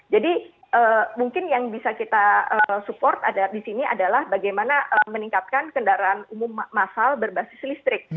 jadi mungkin yang bisa kita support di sini adalah bagaimana meningkatkan kendaraan umum masal berbasis listrik